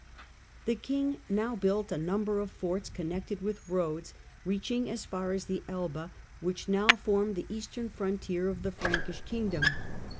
The king now built a number of forts connected with roads, reaching as far as the Elbe, which now formed the eastern frontier of the Frankish kingdom.